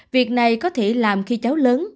việc này có thể làm khi cháu lớn